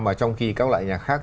mà trong khi các loại nhà khác